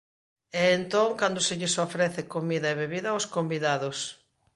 É entón cando se lles ofrece comida e bebida aos convidados.